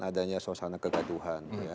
adanya suasana kegaduhan